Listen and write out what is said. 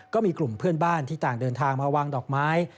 ก็มีกลุ่มเพื่อนบ้านที่ต่างเดินทางมาวางดอกไม้